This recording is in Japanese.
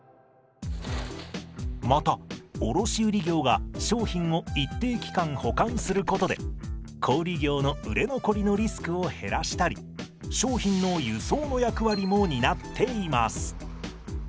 また卸売業が商品を一定期間保管することで小売業の売れ残りのリスクを減らしたり商品の輸送の役割も担っています。